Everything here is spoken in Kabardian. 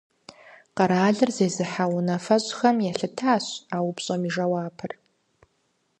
Къэралыр зезыхьэ унафэщӀхэм елъытащ а упщӀэм и жэуапыр.